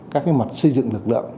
các mặt xây dựng lực lượng